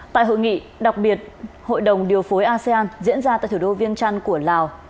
tại hội nghị đặc biệt hội đồng điều phối asean diễn ra tại thủ đô viên trăn của lào